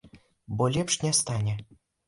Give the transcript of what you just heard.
Бо лепш не стане.